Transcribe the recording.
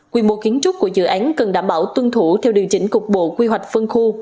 quy mô kiến trúc của dự án cần đảm bảo tuân thủ theo điều chỉnh cục bộ quy hoạch phân khu